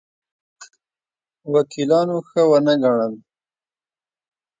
وکیلانو ښه ونه ګڼل.